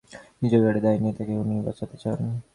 নিজের ঘাড়ে দায় নিয়ে তাকে উনি বাঁচাতে চান।